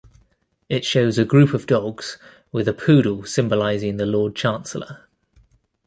It shows a group of dogs, with a poodle symbolising the Lord Chancellor.